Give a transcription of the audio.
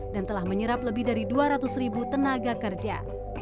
dan telah menyerap lebih dari dua ratus ribu tenaga kerja